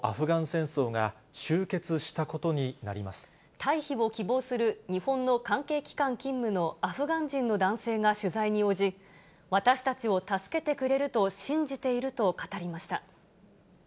退避を希望する日本の関係機関勤務のアフガン人の男性が取材に応じ、私たちを助けてくれると信じていると語りました。